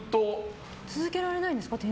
続けられないんですか？